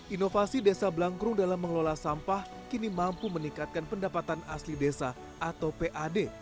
inovasi desa blangkrum dalam mengelola sampah kini mampu meningkatkan pendapatan asli desa atau pad